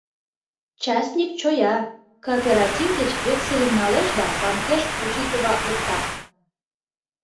Частник чоя: кооператив деч вексельым налеш да банкеш учитыватлыкта.